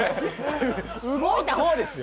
動いた方ですよ。